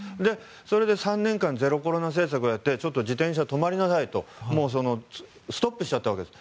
それで３年間ゼロコロナ政策をやってちょっと自転車、止まりなさいとストップしちゃったわけです。